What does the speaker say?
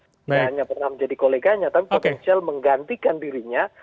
tidak hanya pernah menjadi koleganya tapi potensial menggantikan dirinya